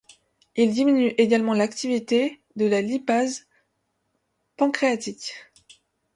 Il diminue également l'activité de la lipase pancréatique.